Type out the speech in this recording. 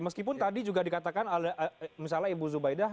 meskipun tadi juga dikatakan misalnya ibu zubaidah